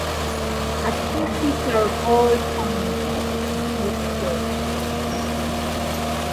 A key feature of all towns is the Chaos Gate.